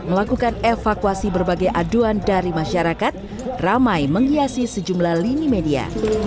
melakukan evakuasi berbagai aduan dari masyarakat ramai menghiasi sejumlah lini media